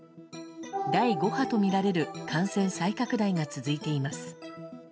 第５波とみられる感染再拡大が続いています。